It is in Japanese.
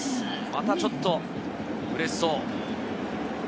またちょっと嬉しそう。